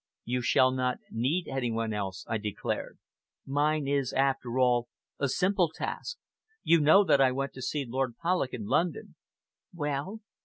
"You shall not need any one else," I declared. "Mine is, after all, a simple task. You know that I went to see Lord Polloch in London." "Well?"